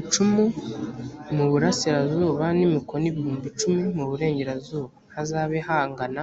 Icumi mu burasirazuba n imikono ibihumbi icumi mu burengerazuba hazabe hangana